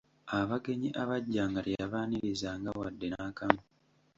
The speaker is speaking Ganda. Abagenyi abajjanga teyabaanirizanga wadde n'akamu.